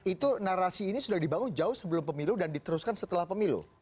itu narasi ini sudah dibangun jauh sebelum pemilu dan diteruskan setelah pemilu